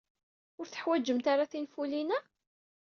Ur teḥwajemt ara tinfulin-a?